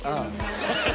ハハハハ！